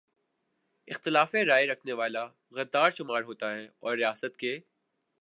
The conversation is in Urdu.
اختلاف رائے رکھنے والا غدار شمار ہوتا اور ریاست کے